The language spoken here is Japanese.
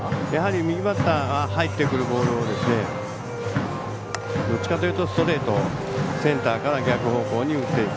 右バッター入ってくるボールをどっちかというとストレートセンターから逆方向に打っていく。